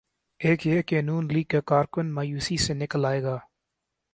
ایک یہ کہ نون لیگ کا کارکن مایوسی سے نکل آئے گا۔